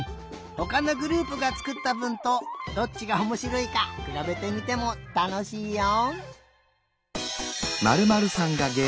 ほかのグループがつくったぶんとどっちがおもしろいかくらべてみてもたのしいよ。